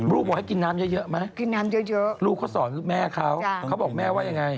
ลูกบอกให้กินน้ำเยอะมั้ยลูกเค้าสอนแม่เค้าเค้าบอกแม่ว่ายังไง